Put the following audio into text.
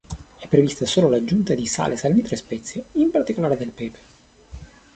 È prevista solo l'aggiunta di sale, salnitro e spezie, in particolare del pepe.